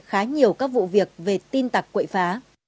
khá nhiều các vụ việc về tin tặc quậy phá